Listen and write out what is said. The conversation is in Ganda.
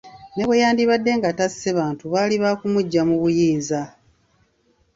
Ne bweyandibadde nga tasse bantu baali baakumuggya mu buyinza.